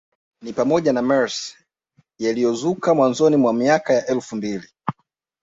Ni pamoja na mers yaliyozuka mwanzoni mwa miaka ya elfu mbili